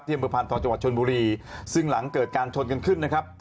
อำเภอพานทองจังหวัดชนบุรีซึ่งหลังเกิดการชนกันขึ้นนะครับ